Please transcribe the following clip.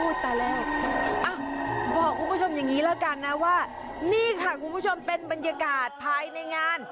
บอกคุณผู้ชมอย่างนี้แล้วกันนะว่านี่ค่ะคุณผู้ชมเป็นบรรยากาศภายในงาน